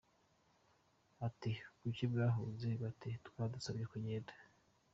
Ati, « Kuki mwahunze ?», bati, « Badusabye kugenda ».